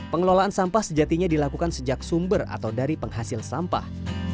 pengelolaan sampah sejatinya dilakukan sejak sumber atau dari penghasil sampah